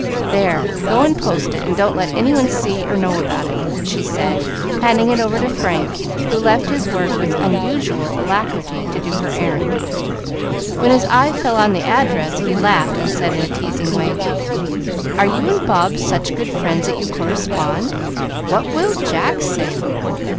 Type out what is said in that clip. "There! Go and post it, and don't let any one see or know about it," she said, handing it over to Frank, who left his work with unusual alacrity to do her errand. When his eye fell on the address, he laughed, and said in a teasing way, "Are you and Bob such good friends that you correspond? What will Jack say?"